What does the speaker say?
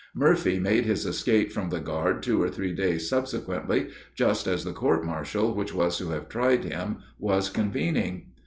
Murphy made his escape from the guard two or three days subsequently, just as the court martial which was to have tried him was convening.